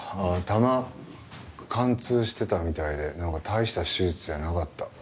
弾貫通してたみたいでなんか大した手術じゃなかった。